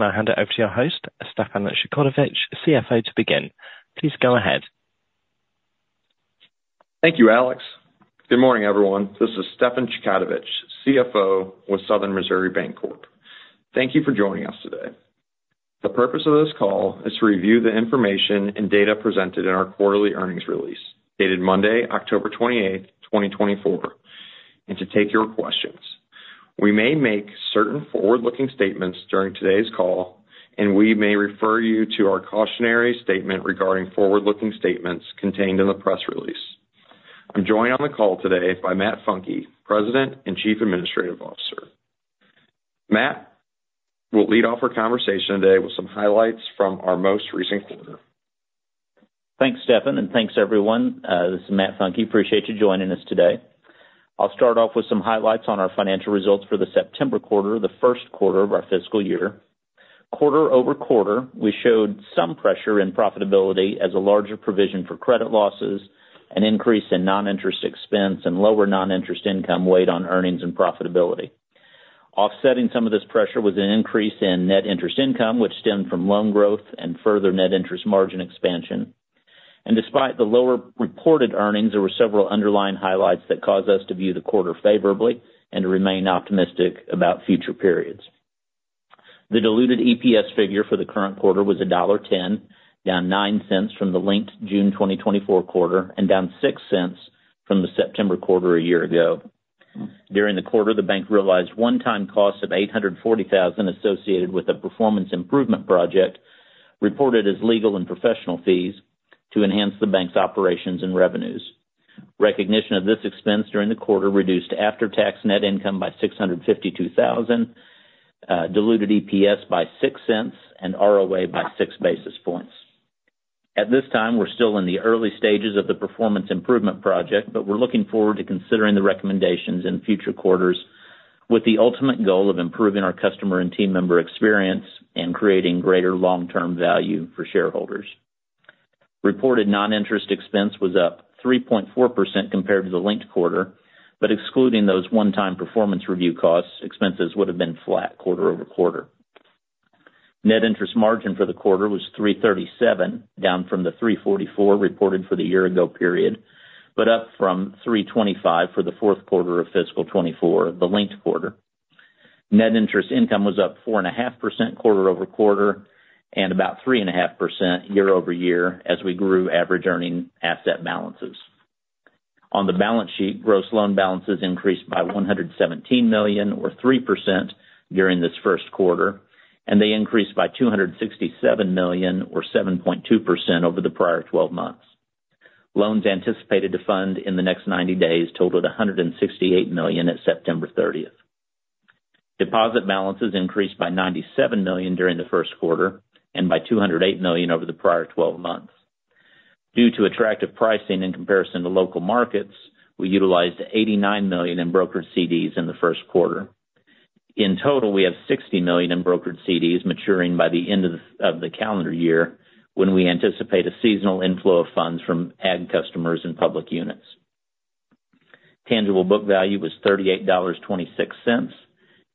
to hand it over to our host, Stefan Chkautovich, CFO, to begin. Please go ahead. Thank you, Alex. Good morning, everyone. This is Stefan Chkautovich, CFO with Southern Missouri Bancorp. Thank you for joining us today. The purpose of this call is to review the information and data presented in our quarterly earnings release dated Monday, October 28th, 2024, and to take your questions. We may make certain forward-looking statements during today's call, and we may refer you to our cautionary statement regarding forward-looking statements contained in the press release. I'm joined on the call today by Matt Funke, President and Chief Administrative Officer. Matt will lead off our conversation today with some highlights from our most recent quarter. Thanks, Stefan, and thanks, everyone. This is Matt Funke. Appreciate you joining us today. I'll start off with some highlights on our financial results for the September quarter, the first quarter of our fiscal year. Quarter-over-quarter, we showed some pressure in profitability as a larger provision for credit losses, an increase in non-interest expense, and lower non-interest income weighed on earnings and profitability. Offsetting some of this pressure was an increase in net interest income, which stemmed from loan growth and further net interest margin expansion. And despite the lower reported earnings, there were several underlying highlights that caused us to view the quarter favorably and to remain optimistic about future periods. The diluted EPS figure for the current quarter was $1.10, down $0.09 from the linked June 2024 quarter and down $0.06 from the September quarter a year ago. During the quarter, the bank realized one-time costs of $840,000 associated with a performance improvement project reported as legal and professional fees to enhance the bank's operations and revenues. Recognition of this expense during the quarter reduced after-tax net income by $652,000, diluted EPS by $0.06, and ROA by 6 basis points. At this time, we're still in the early stages of the performance improvement project, but we're looking forward to considering the recommendations in future quarters with the ultimate goal of improving our customer and team member experience and creating greater long-term value for shareholders. Reported non-interest expense was up 3.4% compared to the linked quarter, but excluding those one-time performance review costs, expenses would have been flat quarter-over-quarter. Net interest margin for the quarter was 3.37%, down from the 3.44% reported for the year-ago period, but up from 3.25% for the fourth quarter of fiscal 2024, the linked quarter. Net interest income was up 4.5% quarter-over-quarter and about 3.5% year-over-year as we grew average earning asset balances. On the balance sheet, gross loan balances increased by $117 million, or 3%, during this first quarter, and they increased by $267 million, or 7.2%, over the prior 12 months. Loans anticipated to fund in the next 90 days totaled $168 million at September 30th. Deposit balances increased by $97 million during the first quarter and by $208 million over the prior 12 months. Due to attractive pricing in comparison to local markets, we utilized $89 million in brokered CDs in the first quarter. In total, we have $60 million in brokered CDs maturing by the end of the calendar year when we anticipate a seasonal inflow of funds from ag customers and public units. Tangible book value was $38.26,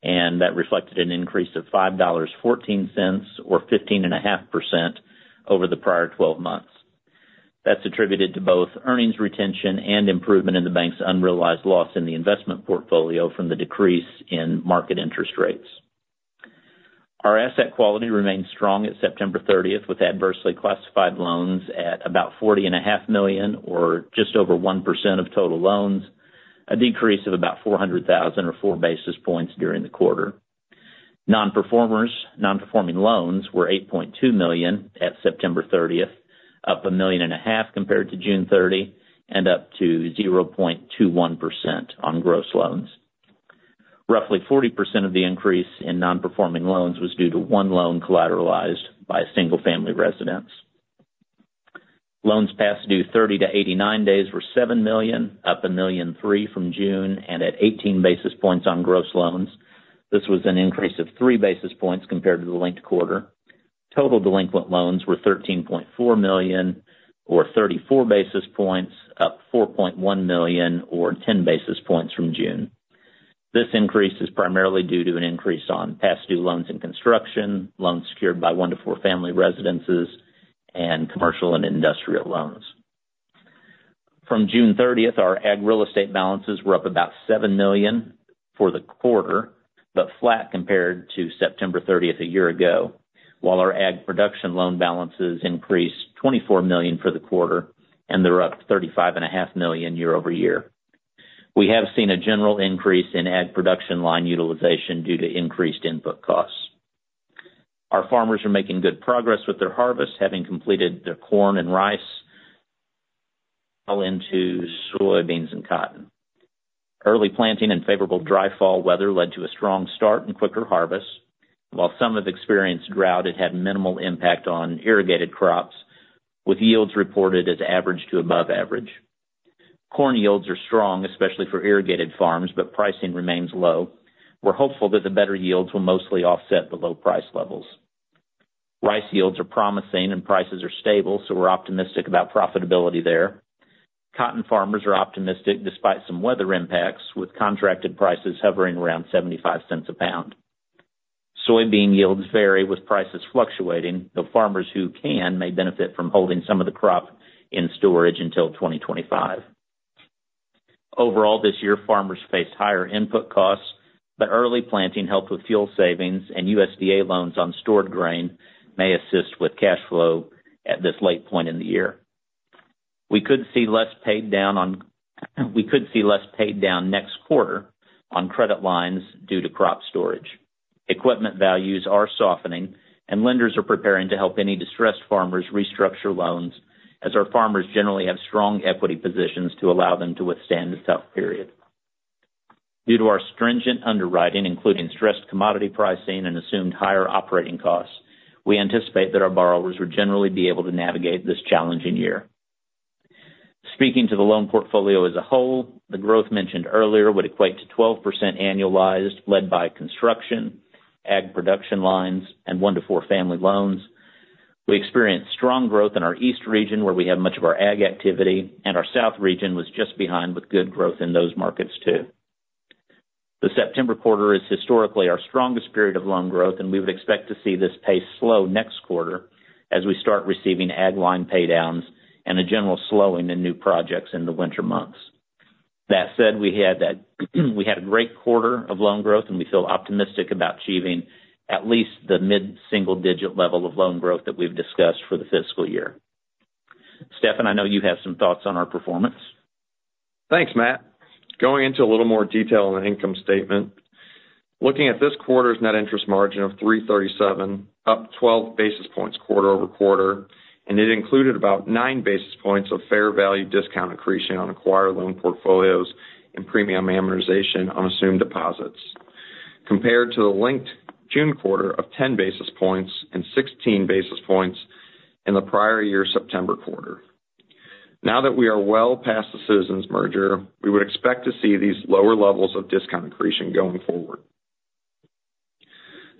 and that reflected an increase of $5.14, or 15.5%, over the prior 12 months. That's attributed to both earnings retention and improvement in the bank's unrealized loss in the investment portfolio from the decrease in market interest rates. Our asset quality remained strong at September 30th, with adversely classified loans at about $40.5 million, or just over 1% of total loans, a decrease of about $400,000, or 4 basis points, during the quarter. Non-performing loans were $8.2 million at September 30th, up $1.5 million compared to June 30th, and up to 0.21% on gross loans. Roughly 40% of the increase in non-performing loans was due to one loan collateralized by a single family residence. Loans past due 30 to 89 days were $7 million, up $1.03 million from June, and at 18 basis points on gross loans. This was an increase of 3 basis points compared to the linked quarter. Total delinquent loans were $13.4 million, or 34 basis points, up $4.1 million, or 10 basis points from June. This increase is primarily due to an increase on past-due loans in construction, loans secured by one to four family residences, and commercial and industrial loans. From June 30th, our ag real estate balances were up about $7 million for the quarter, but flat compared to September 30th a year ago, while our ag production loan balances increased $24 million for the quarter, and they're up $35.5 million year-over-year. We have seen a general increase in ag production line utilization due to increased input costs. Our farmers are making good progress with their harvest, having completed their corn and rice, all into soybeans and cotton. Early planting and favorable dry fall weather led to a strong start and quicker harvest. While some have experienced drought, it had minimal impact on irrigated crops, with yields reported as average to above average. Corn yields are strong, especially for irrigated farms, but pricing remains low. We're hopeful that the better yields will mostly offset the low price levels. Rice yields are promising, and prices are stable, so we're optimistic about profitability there. Cotton farmers are optimistic despite some weather impacts, with contracted prices hovering around $0.75 a pound. Soybean yields vary, with prices fluctuating, though farmers who can may benefit from holding some of the crop in storage until 2025. Overall, this year, farmers faced higher input costs, but early planting helped with fuel savings, and USDA loans on stored grain may assist with cash flow at this late point in the year. We could see less paid down next quarter on credit lines due to crop storage. Equipment values are softening, and lenders are preparing to help any distressed farmers restructure loans, as our farmers generally have strong equity positions to allow them to withstand the tough period. Due to our stringent underwriting, including stressed commodity pricing and assumed higher operating costs, we anticipate that our borrowers would generally be able to navigate this challenging year. Speaking to the loan portfolio as a whole, the growth mentioned earlier would equate to 12% annualized, led by construction, ag production lines, and one to four family loans. We experienced strong growth in our east region, where we have much of our ag activity, and our south region was just behind with good growth in those markets too. The September quarter is historically our strongest period of loan growth, and we would expect to see this pace slow next quarter as we start receiving ag line paydowns and a general slowing in new projects in the winter months. That said, we had a great quarter of loan growth, and we feel optimistic about achieving at least the mid-single-digit level of loan growth that we've discussed for the fiscal year. Stefan, I know you have some thoughts on our performance. Thanks, Matt. Going into a little more detail on the income statement, looking at this quarter's net interest margin of 3.37%, up 12 basis points quarter over quarter, and it included about 9 basis points of fair value discount accretion on acquired loan portfolios and premium amortization on assumed deposits, compared to the linked June quarter of 10 basis points and 16 basis points in the prior year's September quarter. Now that we are well past the Citizens merger, we would expect to see these lower levels of discount accretion going forward.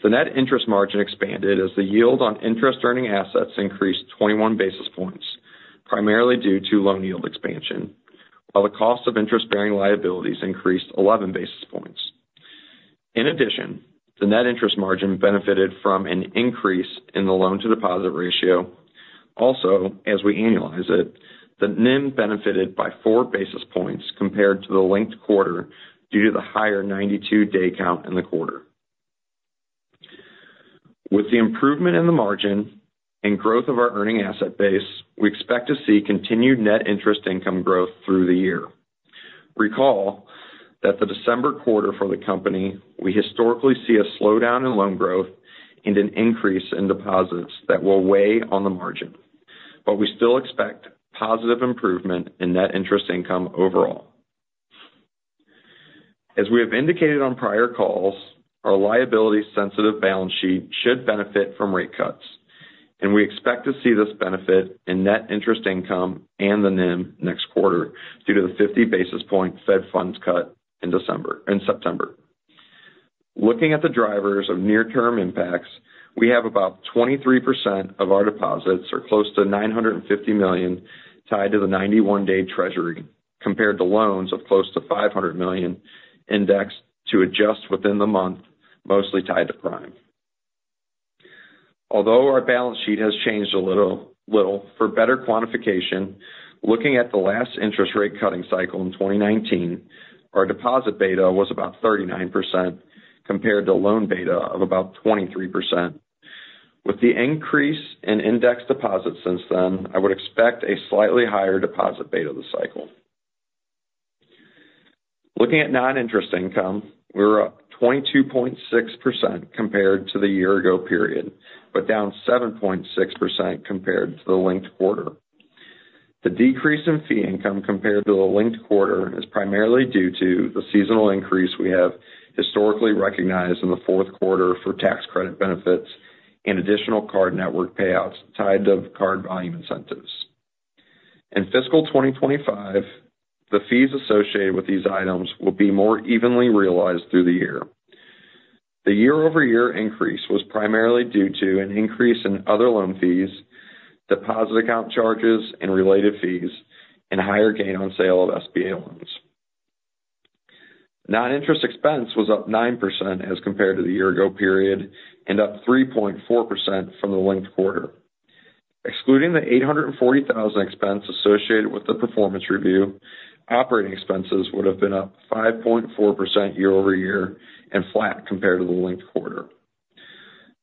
The net interest margin expanded as the yield on interest-earning assets increased 21 basis points, primarily due to loan yield expansion, while the cost of interest-bearing liabilities increased 11 basis points. In addition, the net interest margin benefited from an increase in the loan-to-deposit ratio. Also, as we annualize it, the NIM benefited by 4 basis points compared to the linked quarter due to the higher 92-day count in the quarter. With the improvement in the margin and growth of our earning asset base, we expect to see continued net interest income growth through the year. Recall that the December quarter for the company, we historically see a slowdown in loan growth and an increase in deposits that will weigh on the margin, but we still expect positive improvement in net interest income overall. As we have indicated on prior calls, our liability-sensitive balance sheet should benefit from rate cuts, and we expect to see this benefit in net interest income and the NIM next quarter due to the 50-basis-point Fed funds cut in September. Looking at the drivers of near-term impacts, we have about 23% of our deposits, or close to $950 million, tied to the 91-day Treasury, compared to loans of close to $500 million indexed to adjust within the month, mostly tied to Prime. Although our balance sheet has changed a little, for better quantification, looking at the last interest rate cutting cycle in 2019, our deposit beta was about 39% compared to loan beta of about 23%. With the increase in indexed deposits since then, I would expect a slightly higher deposit beta this cycle. Looking at non-interest income, we're up 22.6% compared to the year-ago period, but down 7.6% compared to the linked quarter. The decrease in fee income compared to the linked quarter is primarily due to the seasonal increase we have historically recognized in the fourth quarter for tax credit benefits and additional card network payouts tied to card volume incentives. In fiscal 2025, the fees associated with these items will be more evenly realized through the year. The year-over-year increase was primarily due to an increase in other loan fees, deposit account charges, and related fees, and higher gain on sale of SBA loans. Non-interest expense was up 9% as compared to the year-ago period and up 3.4% from the linked quarter. Excluding the $840,000 expense associated with the performance review, operating expenses would have been up 5.4% year-over-year and flat compared to the linked quarter.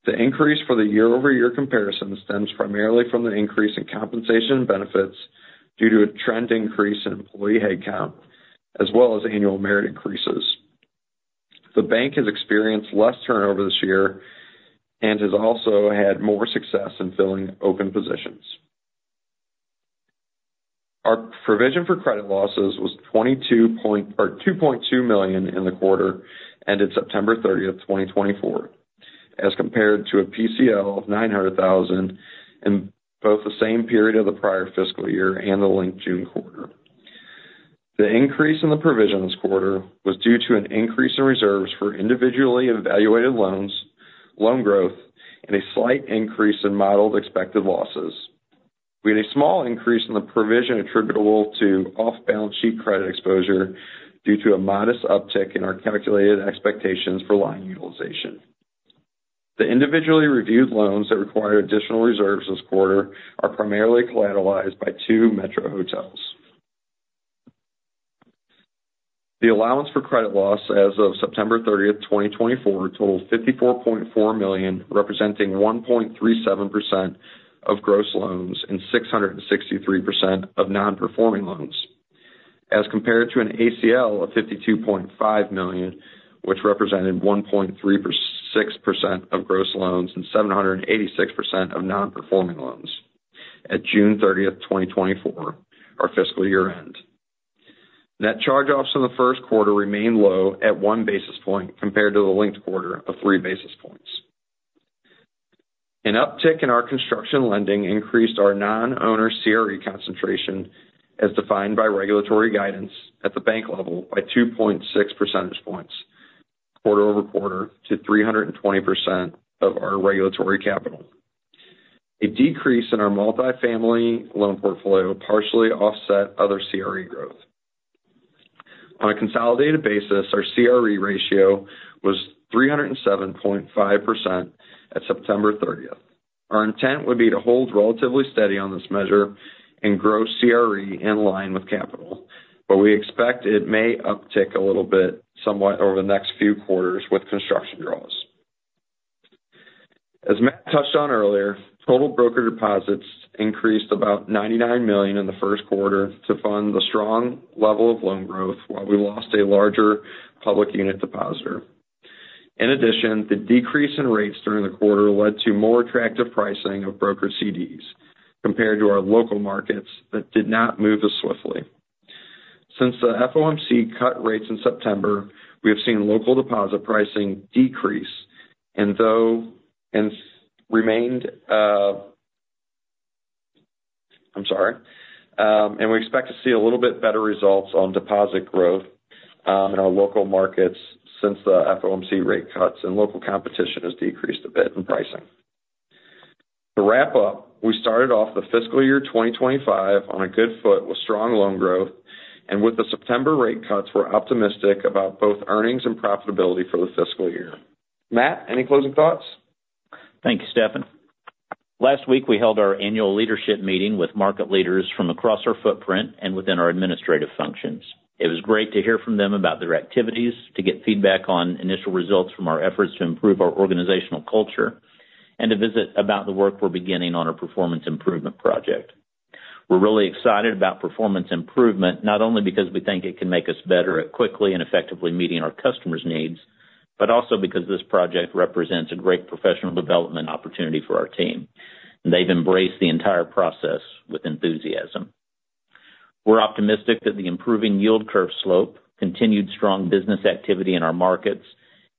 The increase for the year-over-year comparison stems primarily from the increase in compensation benefits due to a trend increase in employee headcount, as well as annual merit increases. The bank has experienced less turnover this year and has also had more success in filling open positions. Our provision for credit losses was $2.2 million in the quarter ended September 30th, 2024, as compared to a PCL of $900,000 in both the same period of the prior fiscal year and the linked June quarter. The increase in the provision this quarter was due to an increase in reserves for individually evaluated loans, loan growth, and a slight increase in modeled expected losses. We had a small increase in the provision attributable to off-balance sheet credit exposure due to a modest uptick in our calculated expectations for line utilization. The individually reviewed loans that require additional reserves this quarter are primarily collateralized by two metro hotels. The allowance for credit losses as of September 30th, 2024, totaled $54.4 million, representing 1.37% of gross loans and 663% of non-performing loans, as compared to an ACL of $52.5 million, which represented 1.36% of gross loans and 786% of non-performing loans at June 30th, 2024, our fiscal year-end. Net charge-offs in the first quarter remained low at 1 basis point compared to the linked quarter of 3 basis points. An uptick in our construction lending increased our non-owner CRE concentration, as defined by regulatory guidance at the bank level, by 2.6 percentage points quarter-over-quarter to 320% of our regulatory capital. A decrease in our multi-family loan portfolio partially offset other CRE growth. On a consolidated basis, our CRE ratio was 307.5% at September 30th. Our intent would be to hold relatively steady on this measure and grow CRE in line with capital, but we expect it may uptick a little bit somewhat over the next few quarters with construction draws. As Matt touched on earlier, total brokered deposits increased about $99 million in the first quarter to fund the strong level of loan growth, while we lost a larger public unit depositor. In addition, the decrease in rates during the quarter led to more attractive pricing of brokered CDs compared to our local markets that did not move as swiftly. Since the FOMC cut rates in September, we have seen local deposit pricing decrease and remained—I'm sorry—and we expect to see a little bit better results on deposit growth in our local markets since the FOMC rate cuts and local competition has decreased a bit in pricing. To wrap up, we started off the fiscal year 2025 on a good foot with strong loan growth, and with the September rate cuts, we're optimistic about both earnings and profitability for the fiscal year. Matt, any closing thoughts? Thank you, Stefan. Last week, we held our annual leadership meeting with market leaders from across our footprint and within our administrative functions. It was great to hear from them about their activities, to get feedback on initial results from our efforts to improve our organizational culture, and to visit about the work we're beginning on our performance improvement project. We're really excited about performance improvement, not only because we think it can make us better at quickly and effectively meeting our customers' needs, but also because this project represents a great professional development opportunity for our team, and they've embraced the entire process with enthusiasm. We're optimistic that the improving yield curve slope, continued strong business activity in our markets,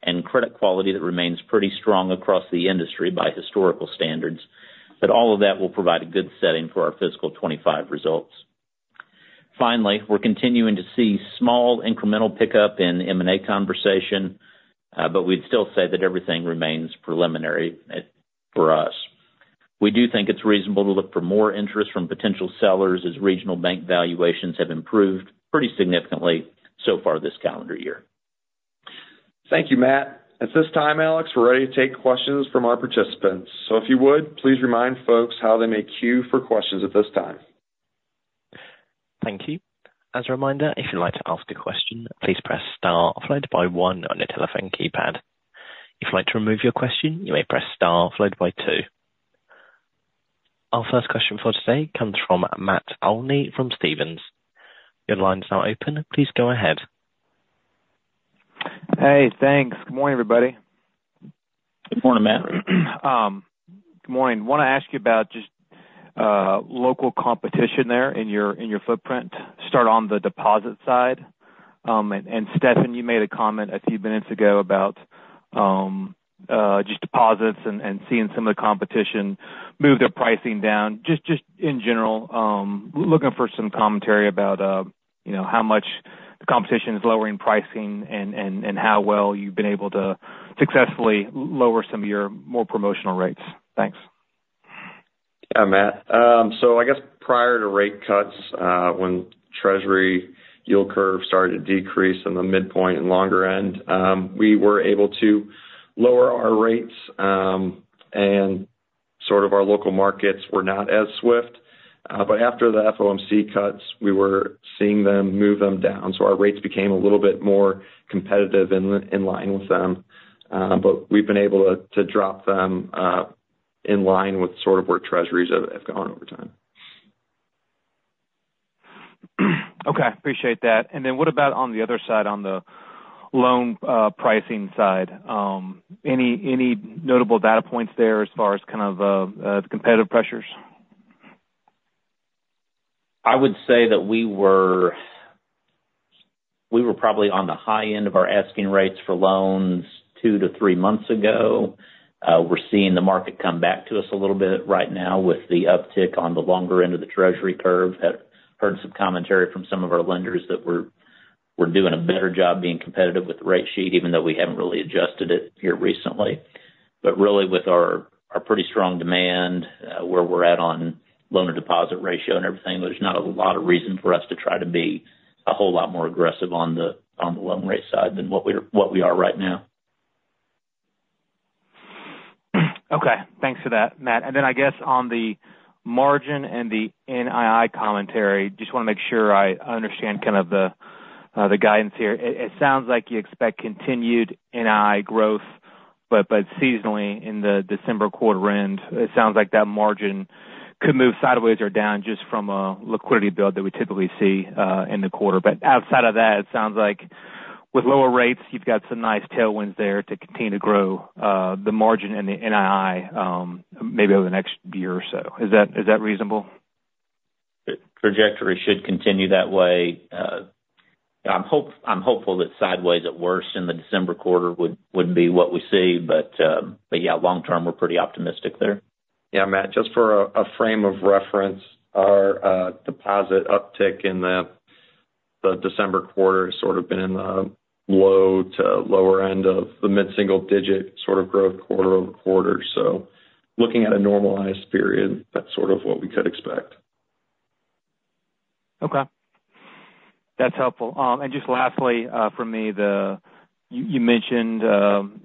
and credit quality that remains pretty strong across the industry by historical standards, that all of that will provide a good setting for our fiscal 2025 results. Finally, we're continuing to see small incremental pickup in M&A conversation, but we'd still say that everything remains preliminary for us. We do think it's reasonable to look for more interest from potential sellers as regional bank valuations have improved pretty significantly so far this calendar year. Thank you, Matt. At this time, Alex, we're ready to take questions from our participants. So if you would, please remind folks how they may queue for questions at this time. Thank you. As a reminder, if you'd like to ask a question, please press star followed by one on your telephone keypad. If you'd like to remove your question, you may press star followed by two. Our first question for today comes from Matt Olney from Stephens. Your line's now open. Please go ahead. Hey, thanks. Good morning, everybody. Good morning, Matt. Good morning. Want to ask you about just local competition there in your footprint, start on the deposit side. And Stefan, you made a comment a few minutes ago about just deposits and seeing some of the competition move their pricing down. Just in general, looking for some commentary about how much the competition is lowering pricing and how well you've been able to successfully lower some of your more promotional rates. Thanks. Yeah, Matt. So I guess prior to rate cuts, when Treasury yield curve started to decrease in the midpoint and longer end, we were able to lower our rates, and sort of our local markets were not as swift. But after the FOMC cuts, we were seeing them move them down. So our rates became a little bit more competitive in line with them, but we've been able to drop them in line with sort of where Treasuries have gone over time. Okay. Appreciate that. And then what about on the other side, on the loan pricing side? Any notable data points there as far as kind of the competitive pressures? I would say that we were probably on the high end of our asking rates for loans two to three months ago. We're seeing the market come back to us a little bit right now with the uptick on the longer end of the Treasury curve. I've heard some commentary from some of our lenders that we're doing a better job being competitive with the rate sheet, even though we haven't really adjusted it here recently. But really, with our pretty strong demand, where we're at on loan-to-deposit ratio and everything, there's not a lot of reason for us to try to be a whole lot more aggressive on the loan rate side than what we are right now. Okay. Thanks for that, Matt. And then I guess on the margin and the NII commentary, just want to make sure I understand kind of the guidance here. It sounds like you expect continued NII growth, but seasonally in the December quarter end. It sounds like that margin could move sideways or down just from a liquidity build that we typically see in the quarter. But outside of that, it sounds like with lower rates, you've got some nice tailwinds there to continue to grow the margin and the NII maybe over the next year or so. Is that reasonable? Trajectory should continue that way. I'm hopeful that sideways at worst in the December quarter wouldn't be what we see, but yeah, long-term, we're pretty optimistic there. Yeah, Matt. Just for a frame of reference, our deposit uptick in the December quarter has sort of been in the low to lower end of the mid-single-digit sort of growth quarter over quarter. So looking at a normalized period, that's sort of what we could expect. Okay. That's helpful. And just lastly, for me, you mentioned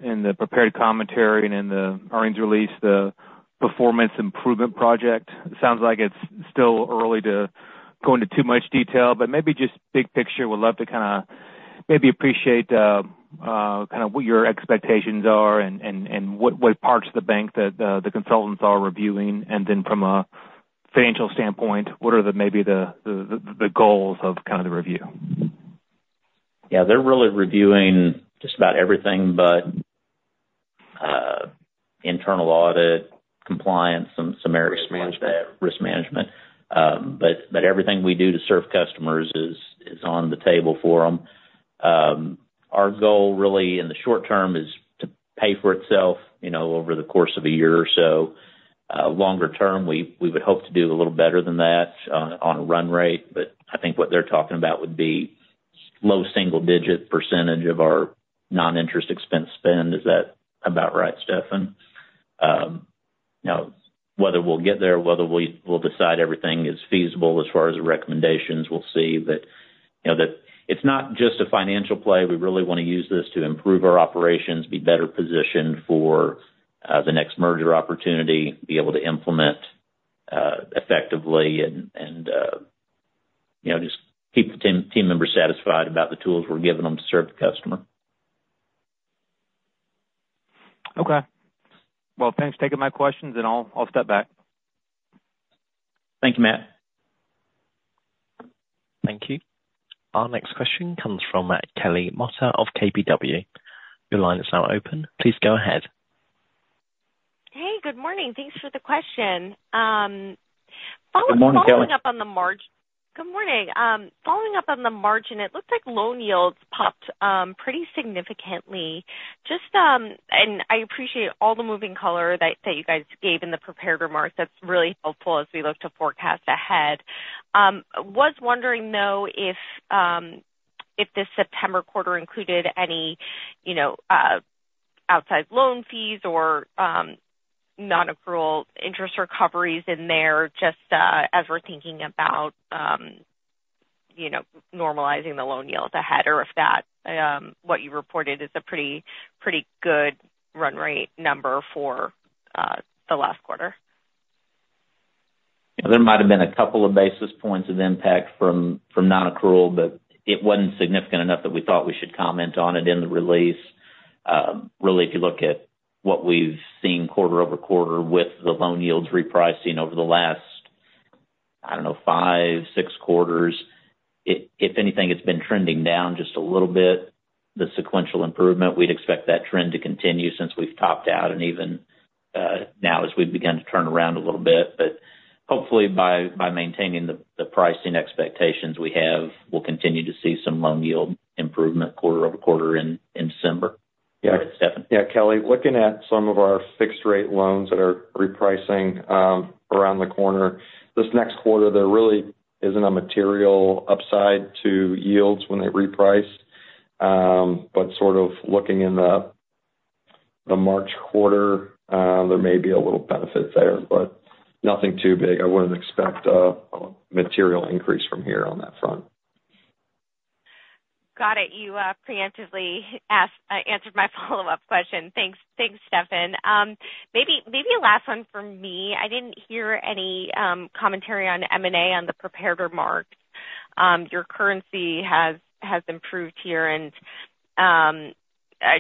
in the prepared commentary and in the earnings release, the performance improvement project. It sounds like it's still early to go into too much detail, but maybe just big picture, we'd love to kind of maybe appreciate kind of what your expectations are and what parts of the bank that the consultants are reviewing. And then from a financial standpoint, what are maybe the goals of kind of the review? Yeah. They're really reviewing just about everything, but internal audit, compliance, and some areas of risk management. Everything we do to serve customers is on the table for them. Our goal really in the short term is to pay for itself over the course of a year or so. Longer term, we would hope to do a little better than that on a run rate, but I think what they're talking about would be low single-digit percentage of our non-interest expense spend. Is that about right, Stefan? Now, whether we'll get there, whether we'll decide everything is feasible as far as the recommendations, we'll see. It's not just a financial play. We really want to use this to improve our operations, be better positioned for the next merger opportunity, be able to implement effectively, and just keep the team members satisfied about the tools we're giving them to serve the customer. Okay. Well, thanks for taking my questions, and I'll step back. Thank you, Matt. Thank you. Our next question comes from Kelly Motta of KBW. Your line is now open. Please go ahead. Hey, good morning. Thanks for the question. Following up on the margin. Good morning, Kelly. Good morning. Following up on the margin, it looks like loan yields popped pretty significantly, and I appreciate all the more color that you guys gave in the prepared remarks. That's really helpful as we look to forecast ahead. I was wondering, though, if this September quarter included any outside loan fees or non-accrual interest recoveries in there, just as we're thinking about normalizing the loan yields ahead, or if that, what you reported, is a pretty good run rate number for the last quarter. There might have been a couple of basis points of impact from non-accrual, but it wasn't significant enough that we thought we should comment on it in the release. Really, if you look at what we've seen quarter over quarter with the loan yields repricing over the last, I don't know, five, six quarters, if anything, it's been trending down just a little bit. The sequential improvement, we'd expect that trend to continue since we've topped out, and even now as we've begun to turn around a little bit. But hopefully, by maintaining the pricing expectations we have, we'll continue to see some loan yield improvement quarter-over-quarter in December. Yeah, Kelly, looking at some of our fixed-rate loans that are repricing around the corner, this next quarter, there really isn't a material upside to yields when they reprice. But sort of looking in the March quarter, there may be a little benefit there, but nothing too big. I wouldn't expect a material increase from here on that front. Got it. You preemptively answered my follow-up question. Thanks, Stefan. Maybe a last one for me. I didn't hear any commentary on M&A on the prepared remarks. Your currency has improved here.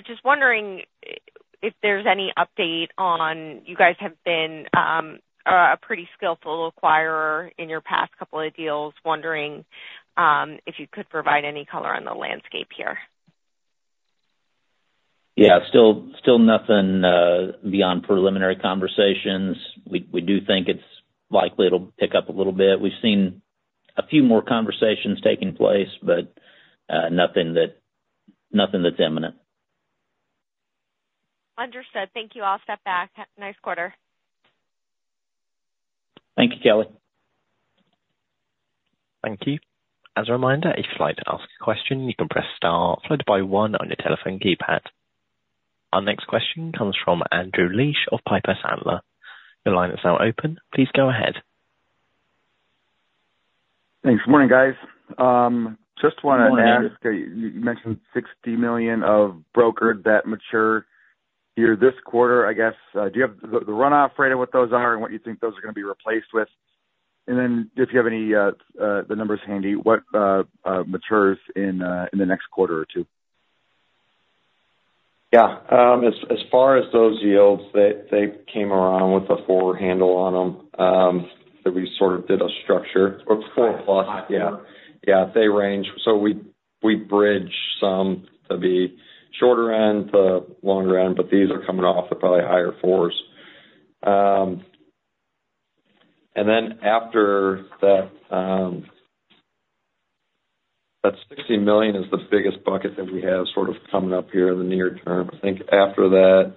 Just wondering if there's any update on you guys have been a pretty skillful acquirer in your past couple of deals. Wondering if you could provide any color on the landscape here. Yeah. Still nothing beyond preliminary conversations. We do think it's likely it'll pick up a little bit. We've seen a few more conversations taking place, but nothing that's imminent. Understood. Thank you. I'll step back. Nice quarter. Thank you, Kelly. Thank you. As a reminder, if you'd like to ask a question, you can press star followed by one on your telephone keypad. Our next question comes from Andrew Liesch of Piper Sandler. Your line is now open. Please go ahead. Thanks. Morning, guys. Just want to ask. You mentioned $60 million of brokered debt mature here this quarter. I guess, do you have the run-off rate of what those are and what you think those are going to be replaced with? And then if you have the numbers handy, what matures in the next quarter or two? Yeah. As far as those yields, they came around with a four handle on them. We sort of did a structure or four plus. Yeah. Yeah. So, we bridge some to be shorter end, to longer end, but these are coming off the probably higher fours. And then after that, that $60 million is the biggest bucket that we have sort of coming up here in the near term. I think after that,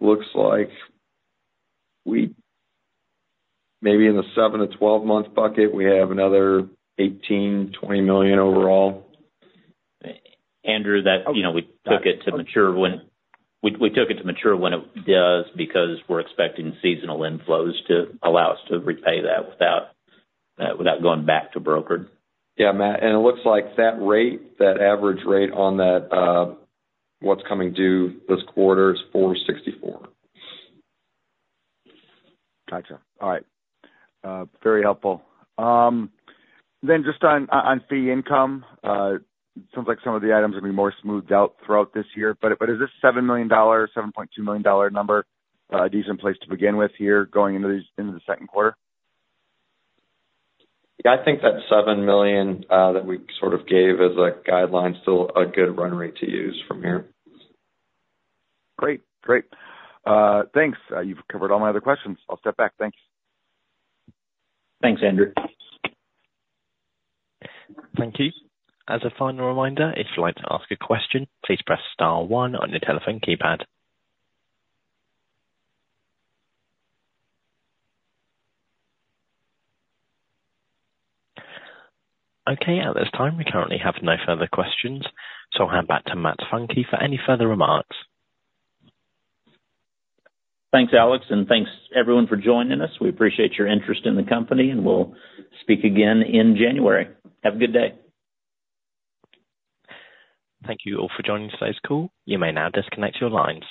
looks like maybe in the 7–12-month bucket, we have another $18-20 million overall. Andrew, we took it to mature when it does because we're expecting seasonal inflows to allow us to repay that without going back to brokered. Yeah, Matt. And it looks like that rate, that average rate on what's coming due this quarter is 464. Gotcha. All right. Very helpful, then just on fee income, it sounds like some of the items are going to be more smoothed out throughout this year, but is this $7 million, $7.2 million number a decent place to begin with here going into the second quarter? Yeah. I think that $7 million that we sort of gave as a guideline is still a good run rate to use from here. Great. Great. Thanks. You've covered all my other questions. I'll step back. Thanks. Thanks, Andrew. Thank you. As a final reminder, if you'd like to ask a question, please press star one on your telephone keypad. Okay. At this time, we currently have no further questions. So I'll hand back to Matt Funke for any further remarks. Thanks, Alex, and thanks, everyone, for joining us. We appreciate your interest in the company, and we'll speak again in January. Have a good day. Thank you all for joining today's call. You may now disconnect your lines.